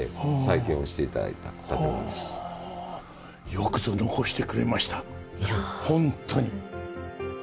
よくぞ残してくれましたホントに。